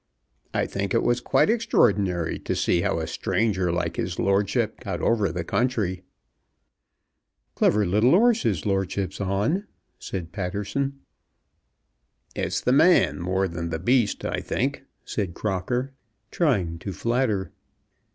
"I think it was quite extraordinary to see how a stranger like his lordship got over our country." "Clever little 'orse his lordship's on," said Patterson. "It's the man more than the beast, I think," said Crocker, trying to flatter.